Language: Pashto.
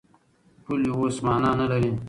پولې اوس مانا نه لري.